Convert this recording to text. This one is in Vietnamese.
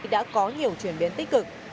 đã có nhiều chuyển biến tích cực